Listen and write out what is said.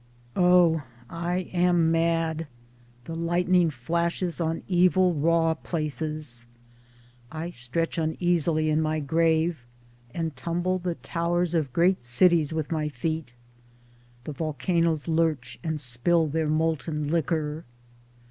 0 I am mad ! the lightning flashes on evil raw places. I stretch uneasily in my grave and tumble the towers of great cities with my feet; the volcanos lurch and spill their molten liquor.